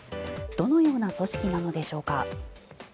どのような組織なのでしょうか。